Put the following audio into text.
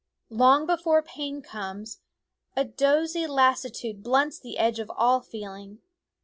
Long before pain comes, a dozy lassitude blunts the edge of all feeling.